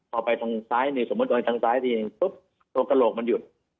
เอาไปทางซ้ายนะหรือสมมติเอาไปทางซ้ายสิปุ๊บโลกมันหยุด